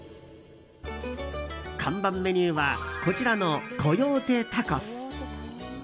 看板メニューはこちらのコヨーテタコス。